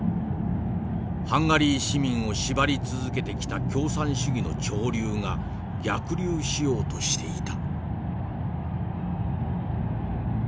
ハンガリー市民を縛り続けてきた共産主義の潮流が逆流しようとしていた」。